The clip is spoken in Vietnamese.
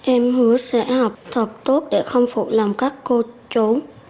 em hứa sẽ học thật tốt để không phụ lòng các cô trốn